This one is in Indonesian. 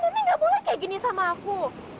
mami gak boleh kayak gini sama aku